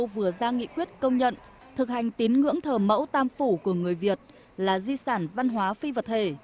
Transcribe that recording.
vừa ra nghị quyết công nhận thực hành tín ngưỡng thờ mẫu tam phủ của người việt là di sản văn hóa phi vật thể